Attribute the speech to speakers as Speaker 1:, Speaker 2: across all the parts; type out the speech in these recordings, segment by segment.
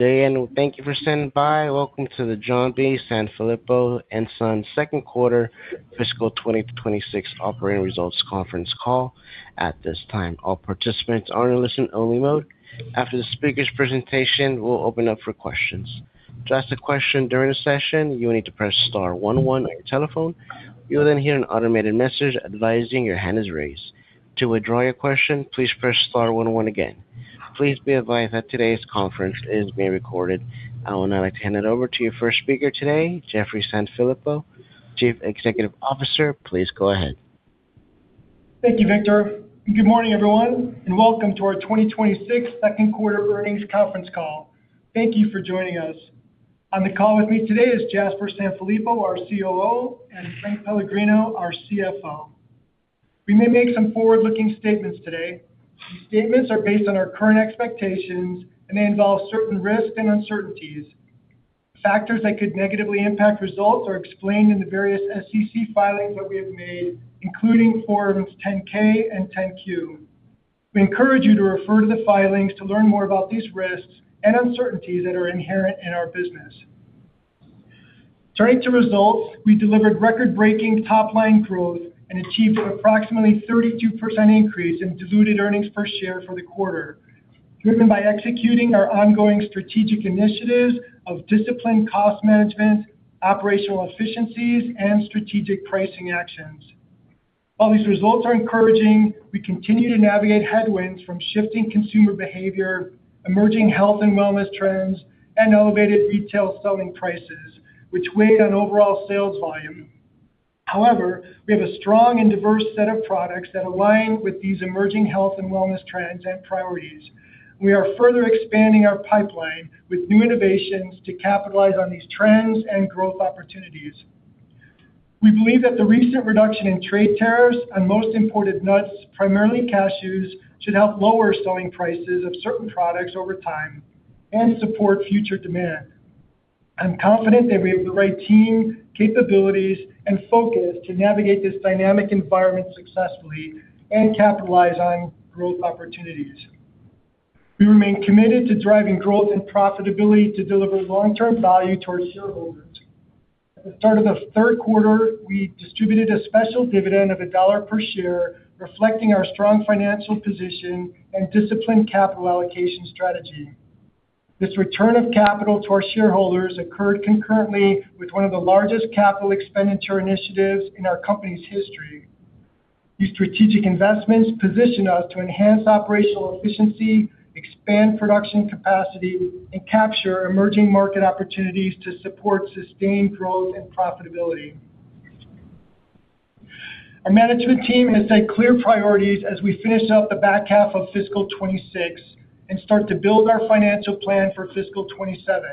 Speaker 1: Good day, and thank you for standing by. Welcome to the John B. Sanfilippo and Son second quarter fiscal 2026 operating results conference call. At this time, all participants are in listen-only mode. After the speaker's presentation, we'll open up for questions. To ask a question during the session, you will need to press star one one on your telephone. You'll then hear an automated message advising your hand is raised. To withdraw your question, please press star one one again. Please be advised that today's conference is being recorded. I will now hand it over to your first speaker today, Jeffrey Sanfilippo, Chief Executive Officer. Please go ahead.
Speaker 2: Thank you, Victor, and good morning, everyone, and welcome to our 2026 second quarter earnings conference call. Thank you for joining us. On the call with me today is Jasper Sanfilippo, our COO, and Frank Pellegrino, our CFO. We may make some forward-looking statements today. These statements are based on our current expectations, and they involve certain risks and uncertainties. Factors that could negatively impact results are explained in the various SEC filings that we have made, including Forms 10-K and 10-Q. We encourage you to refer to the filings to learn more about these risks and uncertainties that are inherent in our business. Turning to results, we delivered record-breaking top-line growth and achieved approximately 32% increase in diluted earnings per share for the quarter, driven by executing our ongoing strategic initiatives of disciplined cost management, operational efficiencies, and strategic pricing actions. While these results are encouraging, we continue to navigate headwinds from shifting consumer behavior, emerging health and wellness trends, and elevated retail selling prices, which weigh on overall sales volume. However, we have a strong and diverse set of products that align with these emerging health and wellness trends and priorities. We are further expanding our pipeline with new innovations to capitalize on these trends and growth opportunities. We believe that the recent reduction in trade tariffs on most imported nuts, primarily cashews, should help lower selling prices of certain products over time and support future demand. I'm confident that we have the right team, capabilities, and focus to navigate this dynamic environment successfully and capitalize on growth opportunities. We remain committed to driving growth and profitability to deliver long-term value to our shareholders. At the start of the third quarter, we distributed a special dividend of $1 per share, reflecting our strong financial position and disciplined capital allocation strategy. This return of capital to our shareholders occurred concurrently with one of the largest capital expenditure initiatives in our company's history. These strategic investments position us to enhance operational efficiency, expand production capacity, and capture emerging market opportunities to support sustained growth and profitability. Our management team has set clear priorities as we finish out the back half of fiscal 2026 and start to build our financial plan for fiscal 2027.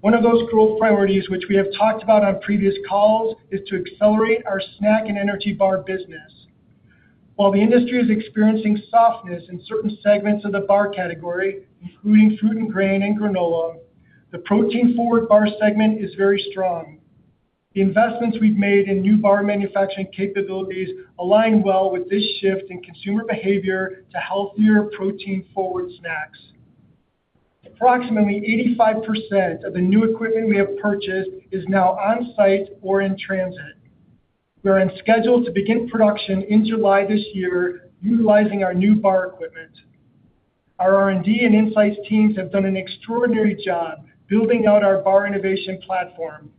Speaker 2: One of those crucial priorities, which we have talked about on previous calls, is to accelerate our snack and energy bar business. While the industry is experiencing softness in certain segments of the bar category, including fruit and grain and granola, the protein-forward bar segment is very strong. The investments we've made in new bar manufacturing capabilities align well with this shift in consumer behavior to healthier, protein-forward snacks. Approximately 85% of the new equipment we have purchased is now on-site or in transit. We are on schedule to begin production in July this year, utilizing our new bar equipment. Our R&D and insights teams have done an extraordinary job building out our bar innovation platform.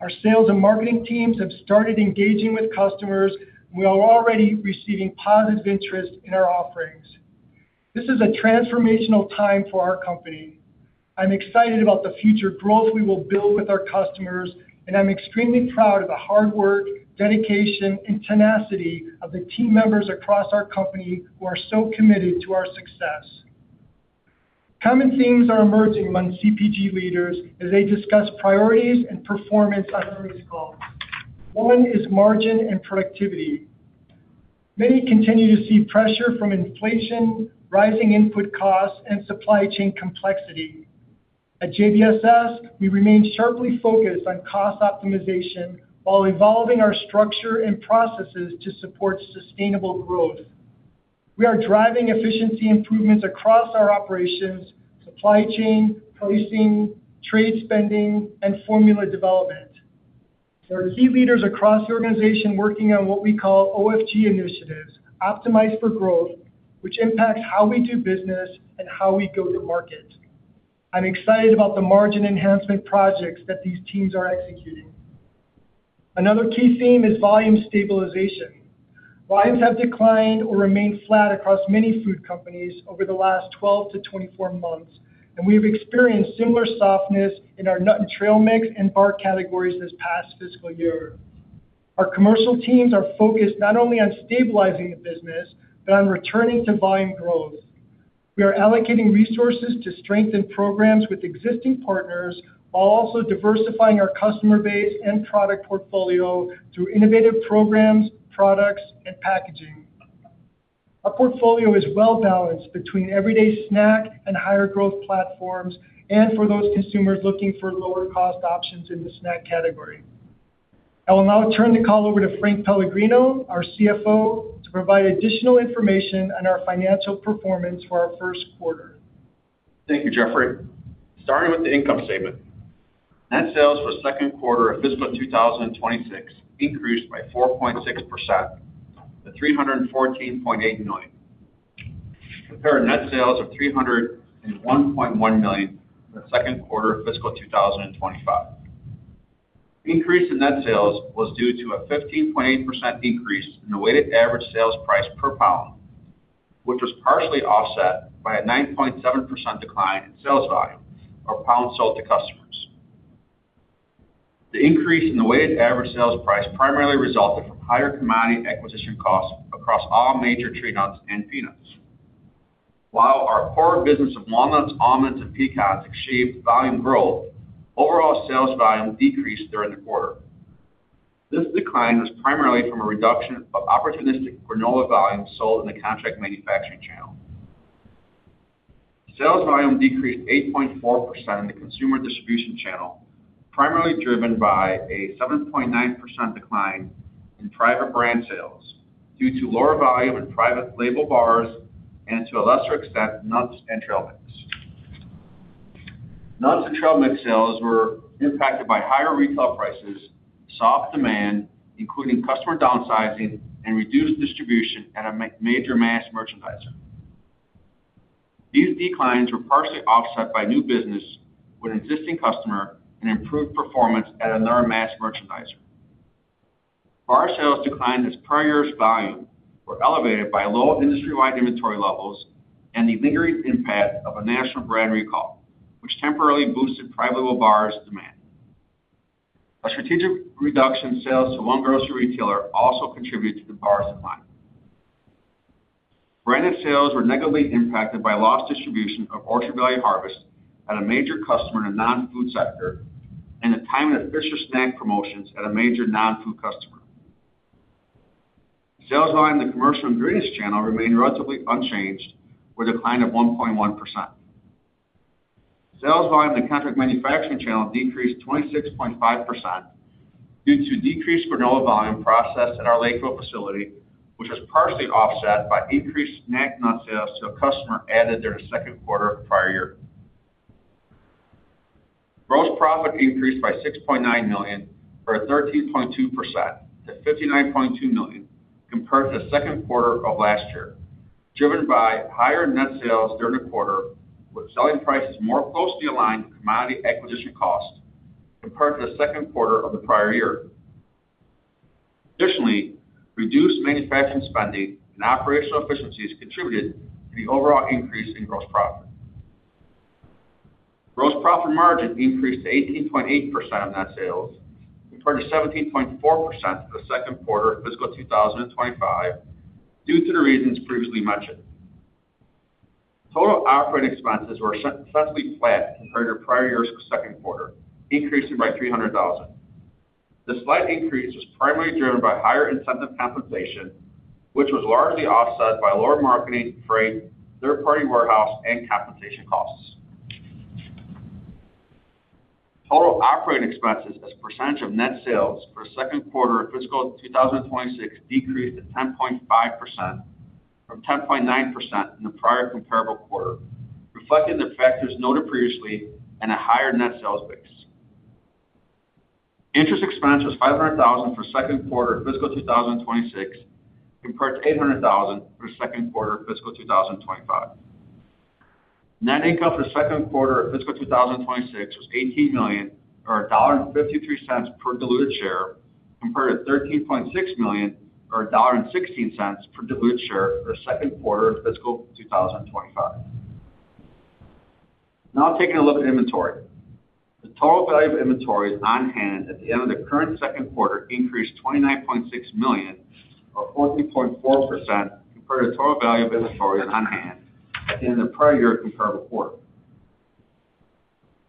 Speaker 2: Our sales and marketing teams have started engaging with customers. We are already receiving positive interest in our offerings. This is a transformational time for our company. I'm excited about the future growth we will build with our customers, and I'm extremely proud of the hard work, dedication, and tenacity of the team members across our company who are so committed to our success. Common themes are emerging among CPG leaders as they discuss priorities and performance on earnings call. One is margin and productivity. Many continue to see pressure from inflation, rising input costs, and supply chain complexity. At JBSS, we remain sharply focused on cost optimization while evolving our structure and processes to support sustainable growth. We are driving efficiency improvements across our operations, supply chain, pricing, trade spending, and formula development. There are key leaders across the organization working on what we call OFG initiatives, Optimize for Growth, which impacts how we do business and how we go to market. I'm excited about the margin enhancement projects that these teams are executing. Another key theme is volume stabilization. Volumes have declined or remained flat across many food companies over the last 12-24 months, and we've experienced similar softness in our nut and trail mix and bar categories this past fiscal year. Our commercial teams are focused not only on stabilizing the business, but on returning to volume growth. We are allocating resources to strengthen programs with existing partners, while also diversifying our customer base and product portfolio through innovative programs, products, and packaging. Our portfolio is well balanced between everyday snack and higher growth platforms, and for those consumers looking for lower cost options in the snack category.... I will now turn the call over to Frank Pellegrino, our CFO, to provide additional information on our financial performance for our first quarter.
Speaker 3: Thank you, Jeffrey. Starting with the income statement. Net sales for second quarter of fiscal 2026 increased by 4.6% to $314.8 million, compared to net sales of $301.1 million in the second quarter of fiscal 2025. The increase in net sales was due to a 15.8% increase in the weighted average sales price per pound, which was partially offset by a 9.7% decline in sales volume or pounds sold to customers. The increase in the weighted average sales price primarily resulted from higher commodity acquisition costs across all major tree nuts and peanuts. While our core business of walnuts, almonds, and pecans achieved volume growth, overall sales volume decreased during the quarter. This decline was primarily from a reduction of opportunistic granola volume sold in the contract manufacturing channel. Sales volume decreased 8.4% in the consumer distribution channel, primarily driven by a 7.9% decline in private brand sales due to lower volume in private label bars and, to a lesser extent, nuts and trail mix. Nuts and trail mix sales were impacted by higher retail prices, soft demand, including customer downsizing and reduced distribution at a major mass merchandiser. These declines were partially offset by new business with an existing customer and improved performance at another mass merchandiser. Bar sales declined as prior year's volume were elevated by low industry-wide inventory levels and the lingering impact of a national brand recall, which temporarily boosted private label bars demand. A strategic reduction in sales to one grocery retailer also contributed to the bar decline. Brand net sales were negatively impacted by lost distribution of Orchard Valley Harvest at a major customer in the non-food sector, and the timing of Fisher Snack promotions at a major non-food customer. Sales volume in the commercial ingredients channel remained relatively unchanged, with a decline of 1.1%. Sales volume in the contract manufacturing channel decreased 26.5% due to decreased granola volume processed at our Lakeville facility, which was partially offset by increased snack nut sales to a customer added during the second quarter of the prior year. Gross profit increased by $6.9 million, or 13.2% to $59.2 million, compared to the second quarter of last year, driven by higher net sales during the quarter, with selling prices more closely aligned to commodity acquisition costs compared to the second quarter of the prior year. Additionally, reduced manufacturing spending and operational efficiencies contributed to the overall increase in gross profit. Gross profit margin increased to 18.8% of net sales, compared to 17.4% for the second quarter of fiscal 2025, due to the reasons previously mentioned. Total operating expenses were substantially flat compared to the prior year's second quarter, increasing by $300,000. The slight increase was primarily driven by higher incentive compensation, which was largely offset by lower marketing, freight, third-party warehouse, and compensation costs. Total operating expenses as a percentage of net sales for the second quarter of fiscal 2026 decreased to 10.5% from 10.9% in the prior comparable quarter, reflecting the factors noted previously and a higher net sales base. Interest expense was $500,000 for second quarter of fiscal 2026, compared to $800,000 for second quarter of fiscal 2025. Net income for the second quarter of fiscal 2026 was $18 million, or $1.53 per diluted share, compared to $13.6 million, or $1.16 per diluted share for the second quarter of fiscal 2025. Now taking a look at inventory. The total value of inventories on hand at the end of the current second quarter increased $29.6 million, or 14.4%, compared to the total value of inventories on hand at the end of the prior year comparable quarter.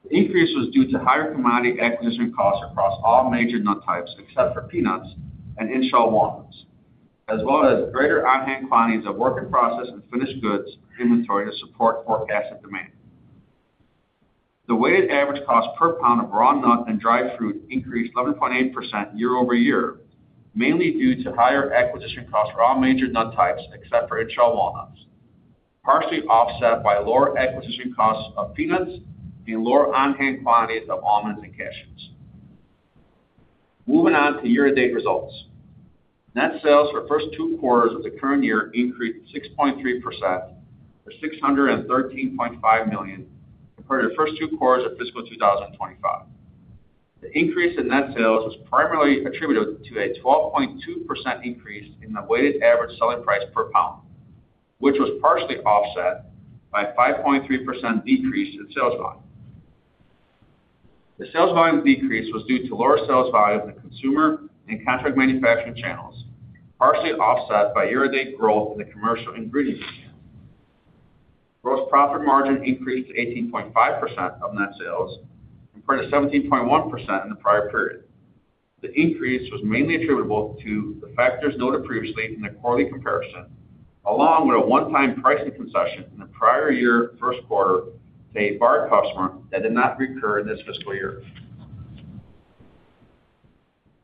Speaker 3: The increase was due to higher commodity acquisition costs across all major nut types, except for peanuts and in-shell walnuts, as well as greater on-hand quantities of work in process and finished goods inventory to support forecasted demand. The weighted average cost per pound of raw nut and dried fruit increased 11.8% year-over-year, mainly due to higher acquisition costs for all major nut types, except for in-shell walnuts, partially offset by lower acquisition costs of peanuts and lower on-hand quantities of almonds and cashews. Moving on to year-to-date results. Net sales for the first two quarters of the current year increased 6.3% to $613.5 million, compared to the first two quarters of fiscal 2025. The increase in net sales was primarily attributable to a 12.2% increase in the weighted average selling price per pound, which was partially offset by a 5.3% decrease in sales volume. The sales volume decrease was due to lower sales volume in the consumer and contract manufacturing channels, partially offset by year-to-date growth in the commercial ingredients channel. Gross profit margin increased to 18.5% of net sales, compared to 17.1% in the prior period. The increase was mainly attributable to the factors noted previously in the quarterly comparison, along with a one-time pricing concession in the prior year first quarter to a bar customer that did not recur in this fiscal year.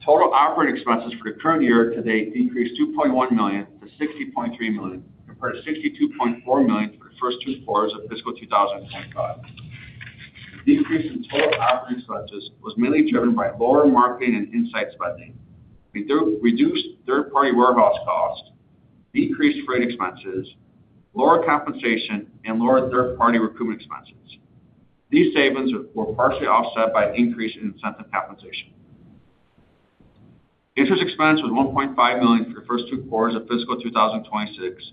Speaker 3: Total operating expenses for the current year to date increased $2.1 million to $60.3 million, compared to $62.4 million for the first two quarters of fiscal 2025. The increase in total operating expenses was mainly driven by lower marketing and insights spending, reduced third-party warehouse costs, decreased freight expenses, lower compensation, and lower third-party recruitment expenses. These savings were partially offset by an increase in incentive compensation. Interest expense was $1.5 million for the first two quarters of fiscal 2026,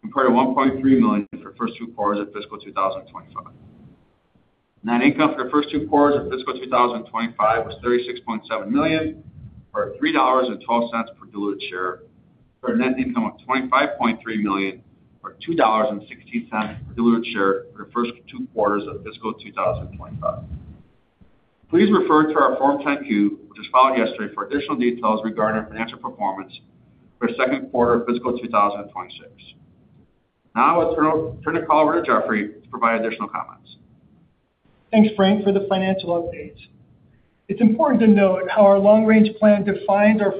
Speaker 3: compared to $1.3 million for the first two quarters of fiscal 2025. Net income for the first two quarters of fiscal 2025 was $36.7 million, or $3.12 per diluted share, for a net income of $25.3 million, or $2.16 per diluted share for the first two quarters of fiscal 2025. Please refer to our Form 10-Q, which was filed yesterday, for additional details regarding our financial performance for the second quarter of fiscal 2026. Now I'll turn the call over to Jeffrey to provide additional comments.
Speaker 2: Thanks, Frank, for the financial update. It's important to note how our long-range plan defines our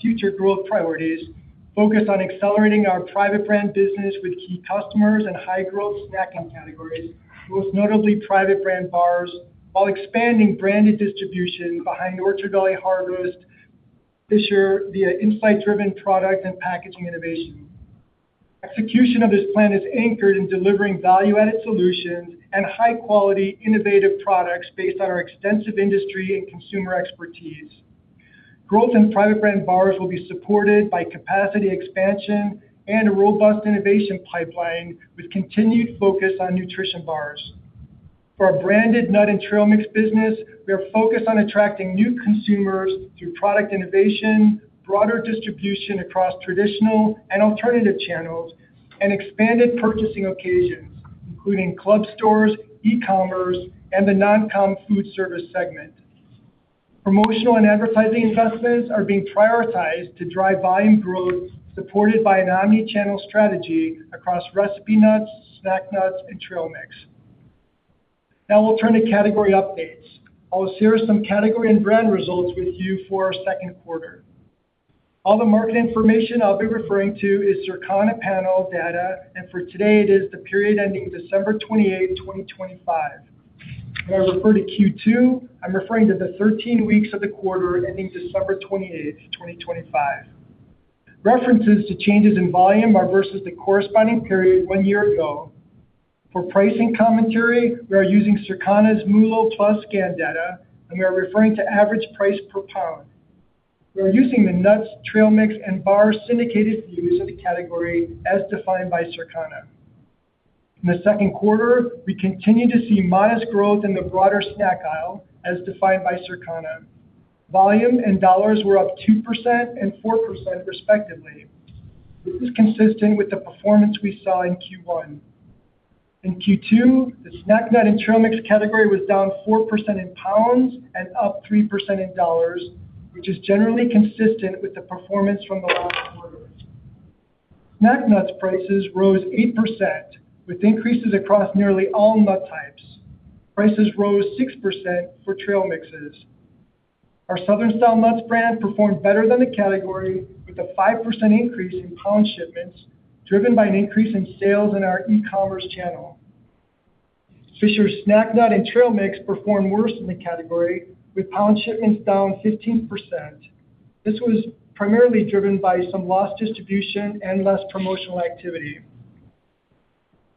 Speaker 2: future growth priorities, focused on accelerating our private brand business with key customers and high-growth snacking categories, most notably private brand bars, while expanding branded distribution behind Orchard Valley Harvest this year via insight-driven product and packaging innovation. Execution of this plan is anchored in delivering value-added solutions and high-quality, innovative products based on our extensive industry and consumer expertise. Growth in private brand bars will be supported by capacity expansion and a robust innovation pipeline, with continued focus on nutrition bars. For our branded nut and trail mix business, we are focused on attracting new consumers through product innovation, broader distribution across traditional and alternative channels, and expanded purchasing occasions, including club stores, e-commerce, and the non-home food service segment. Promotional and advertising investments are being prioritized to drive volume growth, supported by an omni-channel strategy across recipe nuts, snack nuts, and trail mix. Now we'll turn to category updates. I'll share some category and brand results with you for our second quarter. All the market information I'll be referring to is Circana panel data, and for today, it is the period ending December 28, 2025. When I refer to Q2, I'm referring to the 13 weeks of the quarter ending December 28, 2025. References to changes in volume are versus the corresponding period 1 year ago. For pricing commentary, we are using Circana's MULO+ scan data, and we are referring to average price per pound. We are using the nuts, trail mix, and bar syndicated views of the category as defined by Circana. In the second quarter, we continued to see modest growth in the broader snack aisle, as defined by Circana. Volume and dollars were up 2% and 4%, respectively. This is consistent with the performance we saw in Q1. In Q2, the snack nut and trail mix category was down 4% in pounds and up 3% in dollars, which is generally consistent with the performance from the last quarter. Snack nuts prices rose 8%, with increases across nearly all nut types. Prices rose 6% for trail mixes. Our Southern Style Nuts brand performed better than the category, with a 5% increase in pound shipments, driven by an increase in sales in our e-commerce channel. Fisher snack nut and trail mix performed worse than the category, with pound shipments down 15%. This was primarily driven by some lost distribution and less promotional activity.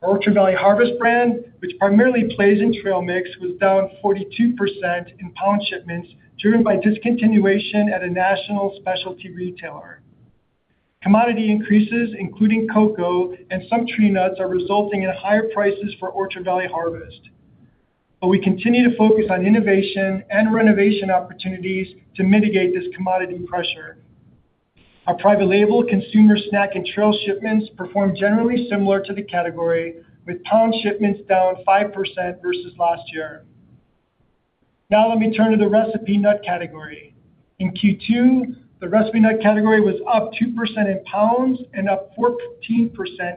Speaker 2: Our Orchard Valley Harvest brand, which primarily plays in trail mix, was down 42% in pound shipments, driven by discontinuation at a national specialty retailer. Commodity increases, including cocoa and some tree nuts, are resulting in higher prices for Orchard Valley Harvest. But we continue to focus on innovation and renovation opportunities to mitigate this commodity pressure. Our private label consumer snack and trail shipments performed generally similar to the category, with pound shipments down 5% versus last year. Now let me turn to the recipe nut category. In Q2, the recipe nut category was up 2% in pounds and up 14%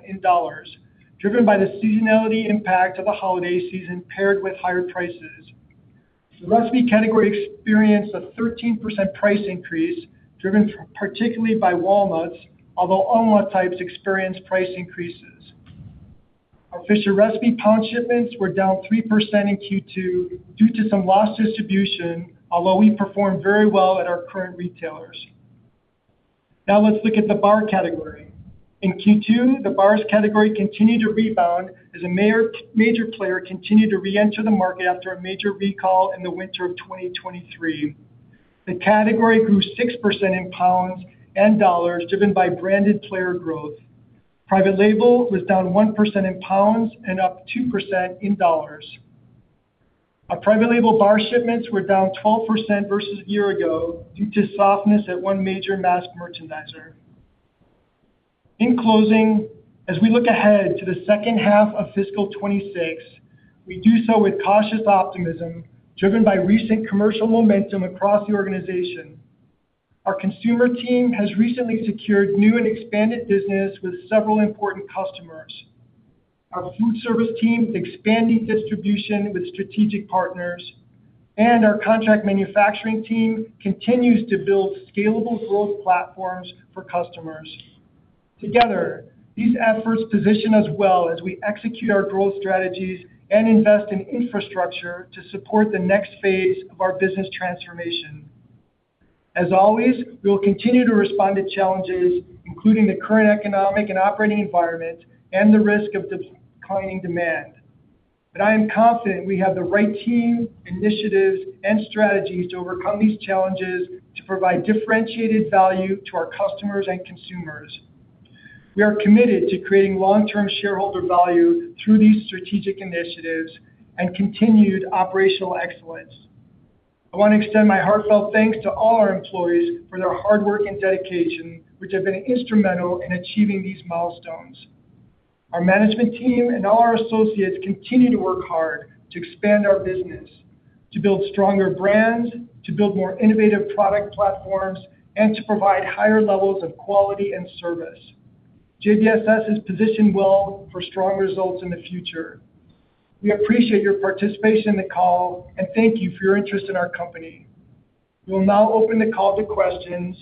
Speaker 2: in dollars, driven by the seasonality impact of the holiday season, paired with higher prices. The recipe category experienced a 13% price increase, driven particularly by walnuts, although all nut types experienced price increases. Our Fisher recipe pound shipments were down 3% in Q2 due to some lost distribution, although we performed very well at our current retailers. Now let's look at the bar category. In Q2, the bars category continued to rebound as a major player continued to reenter the market after a major recall in the winter of 2023. The category grew 6% in pounds and dollars, driven by branded player growth. Private label was down 1% in pounds and up 2% in dollars. Our private label bar shipments were down 12% versus a year ago due to softness at one major mass merchandiser. In closing, as we look ahead to the second half of fiscal 2026, we do so with cautious optimism, driven by recent commercial momentum across the organization. Our consumer team has recently secured new and expanded business with several important customers. Our food service team is expanding distribution with strategic partners, and our contract manufacturing team continues to build scalable growth platforms for customers. Together, these efforts position us well as we execute our growth strategies and invest in infrastructure to support the next phase of our business transformation. As always, we'll continue to respond to challenges, including the current economic and operating environment and the risk of declining demand. But I am confident we have the right team, initiatives, and strategies to overcome these challenges to provide differentiated value to our customers and consumers. We are committed to creating long-term shareholder value through these strategic initiatives and continued operational excellence. I want to extend my heartfelt thanks to all our employees for their hard work and dedication, which have been instrumental in achieving these milestones. Our management team and all our associates continue to work hard to expand our business, to build stronger brands, to build more innovative product platforms, and to provide higher levels of quality and service. JBSS is positioned well for strong results in the future. We appreciate your participation in the call, and thank you for your interest in our company. We'll now open the call to questions.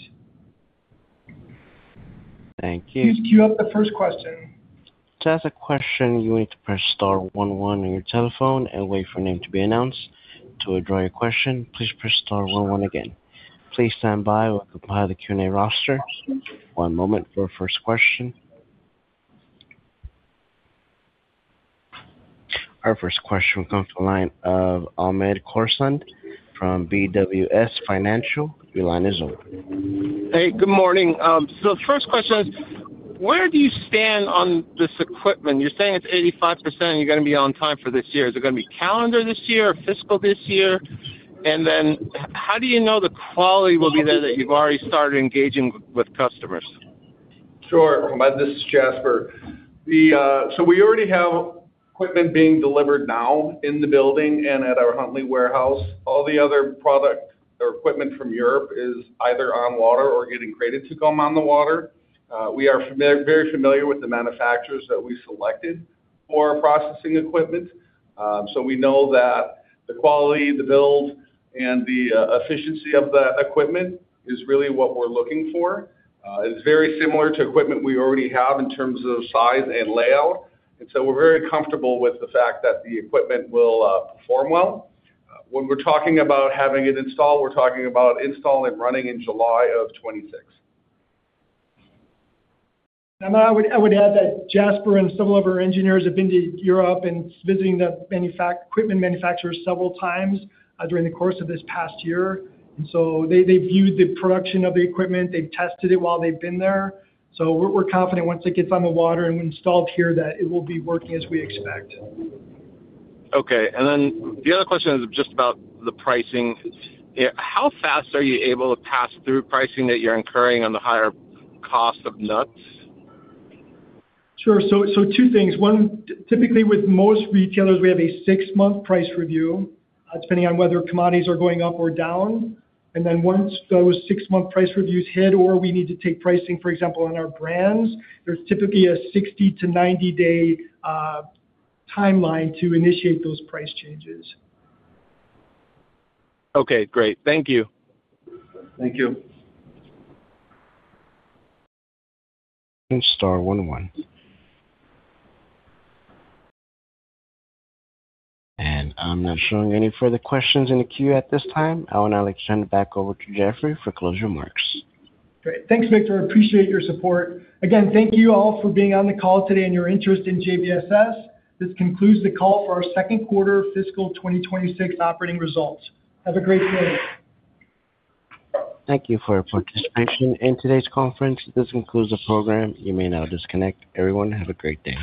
Speaker 1: Thank you.
Speaker 2: Please queue up the first question.
Speaker 1: To ask a question, you need to press star one one on your telephone and wait for your name to be announced. To withdraw your question, please press star one one again. Please stand by. We'll apply the Q&A roster. One moment for our first question. Our first question will come from the line of Hamed Khorsand from BWS Financial. Your line is open.
Speaker 4: Hey, good morning. So the first question is, where do you stand on this equipment? You're saying it's 85%, and you're going to be on time for this year. Is it going to be calendar this year or fiscal this year? And then how do you know the quality will be there, that you've already started engaging with customers?
Speaker 5: Sure. Hamed, this is Jasper. So we already have equipment being delivered now in the building and at our Huntley warehouse. All the other product or equipment from Europe is either on water or getting created to come on the water. We are very familiar with the manufacturers that we selected for our processing equipment. So we know that the quality, the build, and the efficiency of the equipment is really what we're looking for. It's very similar to equipment we already have in terms of size and layout. And so we're very comfortable with the fact that the equipment will perform well. When we're talking about having it installed, we're talking about install and running in July of 2026.
Speaker 2: I would add that Jasper and several of our engineers have been to Europe and visiting the manufacturing equipment manufacturers several times during the course of this past year. So they viewed the production of the equipment. They've tested it while they've been there. We're confident once it gets on the water and installed here, that it will be working as we expect.
Speaker 4: Okay. And then the other question is just about the pricing. Yeah, how fast are you able to pass through pricing that you're incurring on the higher cost of nuts?
Speaker 2: Sure. So, two things. One, typically, with most retailers, we have a 6-month price review, depending on whether commodities are going up or down. And then once those 6-month price reviews hit, or we need to take pricing, for example, on our brands, there's typically a 60-90-day timeline to initiate those price changes.
Speaker 4: Okay, great. Thank you.
Speaker 5: Thank you.
Speaker 1: And star one one. And I'm not showing any further questions in the queue at this time. I would now like to turn it back over to Jeffrey for closing remarks.
Speaker 2: Great. Thanks, Victor. Appreciate your support. Again, thank you all for being on the call today and your interest in JBSS. This concludes the call for our second quarter fiscal 2026 operating results. Have a great day.
Speaker 1: Thank you for your participation in today's conference. This concludes the program. You may now disconnect. Everyone, have a great day.